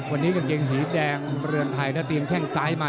วันนี้กางเกงสีแดงเรือนไทยนะเตรียมแข้งซ้ายมา